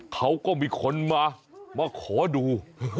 เขาก็มีคนมามาขอดู